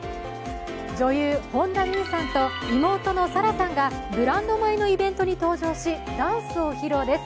女優・本田望結さんと妹の紗来さんがブランド米のイベントに登場しダンスを披露です。